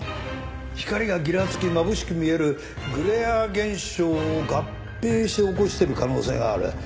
光がぎらつきまぶしく見えるグレア現象を合併して起こしている可能性がある。